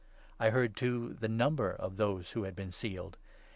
I heard, 4 too, the number of those who had been sealed.